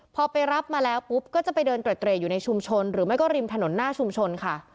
พอไปรับมาแล้วปุ๊บก็จะไปเดินเตร่อยู่ในชุมชนหรือไม่ก็ริมถนนหน้าชุมชนค่ะ